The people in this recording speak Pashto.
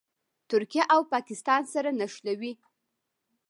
ترکیه او پاکستان سره نښلوي.